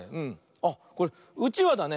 あっこれ「うちわ」だね。